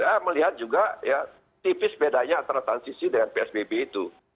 saya melihat juga ya tipis bedanya antara transisi dengan psbb itu